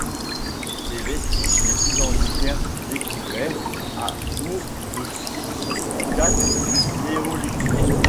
Les vestiges les plus anciens découverts à Bourg-de-Thizy datent du Néolithique.